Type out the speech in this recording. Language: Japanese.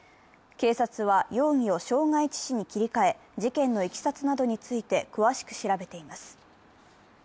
警察は、容疑を傷害致死に切り替え事件のいきさつなどについて詳しく調べています。